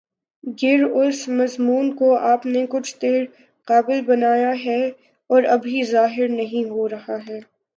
گر اس مضمون کو آپ نے کچھ دیر قبل بنایا ہے اور ابھی ظاہر نہیں ہو رہا ہے